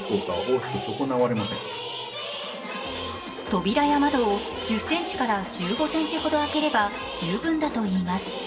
扉や窓を１０ｃｍから１５ｃｍほど開ければ十分だといいます。